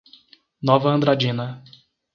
Nova Andradina